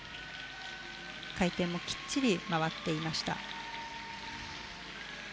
回転もきっちり回っていました。